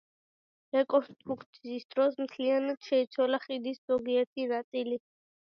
რეკონსტრუქციის დროს მთლიანად შეიცვალა ხიდის ზოგიერთი ნაწილი.